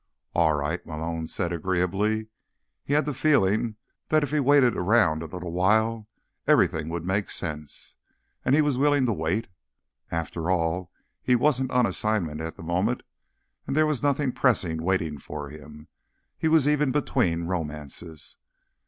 "All right," Malone said agreeably. He had the feeling that if he waited around a little while everything would make sense, and he was willing to wait. After all, he wasn't on assignment at the moment, and there was nothing pressing waiting for him. He was even between romances.